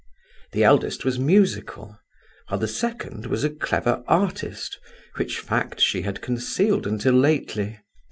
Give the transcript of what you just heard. The eldest was musical, while the second was a clever artist, which fact she had concealed until lately.